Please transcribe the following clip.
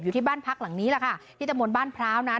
อยู่ที่บ้านพักหลังนี้นี่แต่โมนบ้านพร้าวนาน